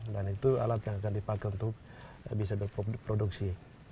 dan itu alat yang akan dipakai untuk bisa berproduksi